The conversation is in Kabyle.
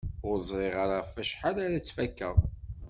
Ur ẓriɣ ara ɣef wacḥal ara tt-fakeɣ!